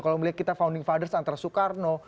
kalau melihat kita founding fathers antara soekarno